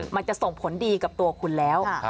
มันจะส่งผลดีกับตัวคุณแล้ว